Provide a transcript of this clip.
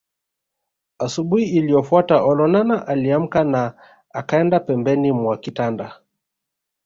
Asubuhi iliyofuata Olonana aliamka na akaenda pembeni mwa kitanda